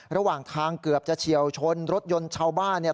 ระหว่างทางเกือบจะเฉียวชนรถยนต์ชาวบ้านเนี่ย